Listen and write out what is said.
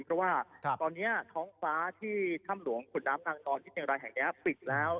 ก็ว่าตอนเนี้ยท้องฟ้าที่ท่ำหลวงขุนน้ำพังดอลที่เจงไล่แห่งเกียร์ปิดแล้ว